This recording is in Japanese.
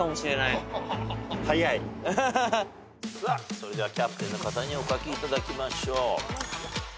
それではキャプテンの方にお書きいただきましょう。